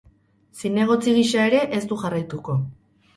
Zinegotzi gisa ere ez du jarraituko.